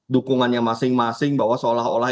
dukungannya masing masing bahwa seolah olah